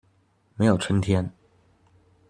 沒有春天